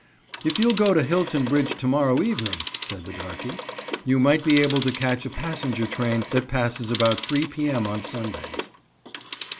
"If you'll go to Hilton Bridge to morrow evening," said the darkey, "you might be able to catch a passenger train that passes about 3 p. m. on Sundays."